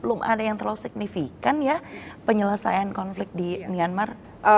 belum ada yang terlalu signifikan ya penyelesaian konflik di myanmar